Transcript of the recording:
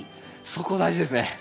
そこ大事ですね。